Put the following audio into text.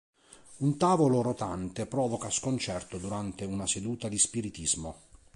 Un tavolo rotante provoca sconcerto durante una seduta di spiritismo.